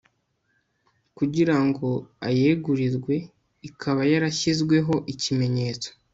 kugira ngo ayegurirwe ikaba yarashyizweho ikimenyetso